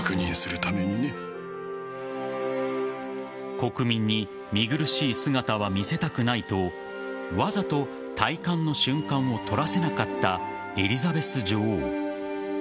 国民に見苦しい姿は見せたくないとわざと戴冠の瞬間を撮らせなかったエリザベス女王。